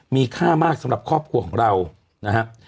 มีค่ามากสำหรับครอบครัวของเรานะครับ